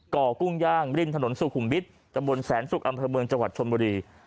กุ้งย่างริมถนนสุขุมวิทย์ตำบลแสนสุกอำเภอเมืองจังหวัดชนบุรี